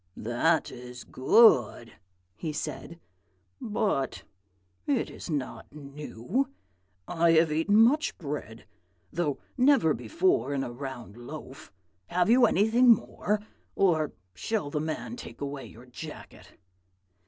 "'That is good,' he said; 'but it is not new. I have eaten much bread, though never before in a round loaf. Have you anything more? Or shall the man take away your jacket?'